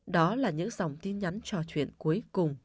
đó là những dòng tin nhắn trò chuyện cuối cùng